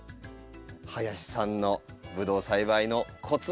林さんのブドウ栽培のコツ。